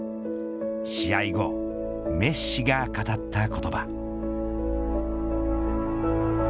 試合後、メッシが語った言葉。